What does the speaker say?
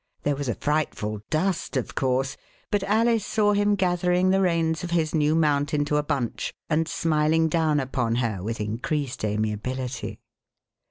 There was a frightful dust, of course, but Alice saw him gathering the reins of his new mount into a bunch, and smiling down upon her with increased amiability.